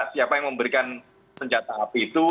siapa yang memberikan senjata api itu